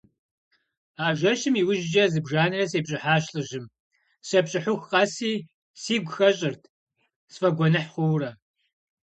А жэщым и ужькӀи зыбжанэрэ сепщӀыхьащ лӀыжьым, сепщӀыхьыху къэси сигу хэщӀырт, сфӀэгуэныхь хъуурэ.